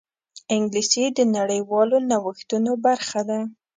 انګلیسي د نړیوالو نوښتونو برخه ده